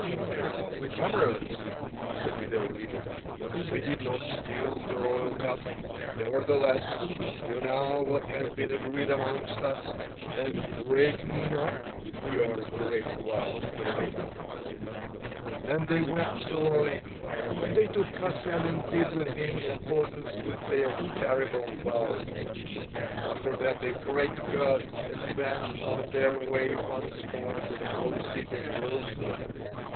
"Beloved comrades," said their leader, "I did not steal the royal cup. Nevertheless do now what has been agreed amongst us, and break not your great vow for me." Then they wept sorely, but they took Kasyan and did with him in accordance with their terrible vow. After that they prayed to God and went on their way once more to the holy city of Jerusalem.